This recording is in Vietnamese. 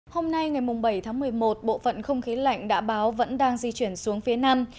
hôm nay ngày bảy tháng một mươi một bộ phận không khí lạnh đã báo vẫn đang di chuyển xuống phía nam